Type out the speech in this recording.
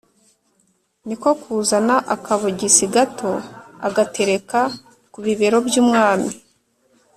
niko kuzana akabogisi gato agatereka kubibero by’umwari